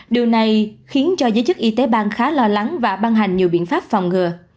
điều này khiến cho giới chức y tế bang khá lo lắng và ban hành nhiều biện pháp phòng ngừa